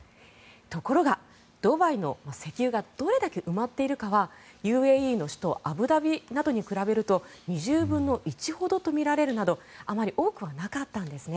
ところが、ドバイの石油がどれだけ埋まっているかはＵＡＥの首都アブダビなどに比べると２０分の１ほどとみられるなどあまり多くはなかったんですね。